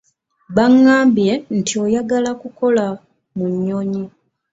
Bangambye nti oyagala kukola mu nnyonyi.